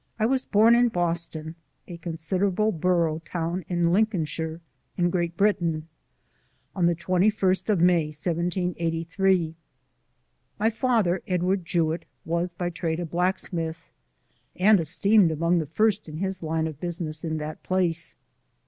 X WAS born in Boston, a considerable borough town in Lincolnshire, in Great Britain, on the 21st of May, 1783. My father, Edward Jewitt, was by trade a blacksmith, and esteemed among the first in his line of business in that place.